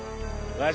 わし？